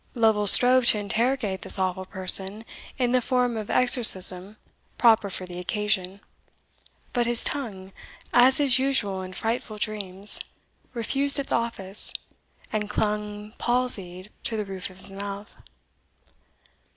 Lovel strove to interrogate this awful person in the form of exorcism proper for the occasion; but his tongue, as is usual in frightful dreams, refused its office, and clung, palsied, to the roof of his mouth.